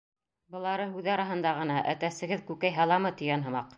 Былары һүҙ араһында ғына, әтәсегеҙ күкәй һаламы, тигән һымаҡ.